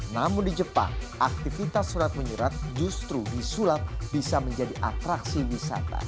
namun di jepang aktivitas surat menyurat justru disulap bisa menjadi atraksi wisata